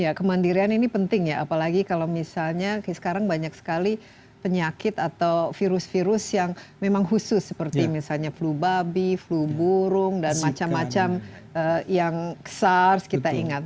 ya kemandirian ini penting ya apalagi kalau misalnya sekarang banyak sekali penyakit atau virus virus yang memang khusus seperti misalnya flu babi flu burung dan macam macam yang sars kita ingat